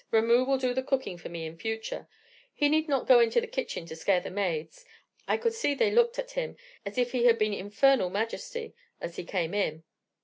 Ramoo will do the cooking for me in future. He need not go into the kitchen to scare the maids. I could see they looked at him as if he had been his infernal majesty, as he came in.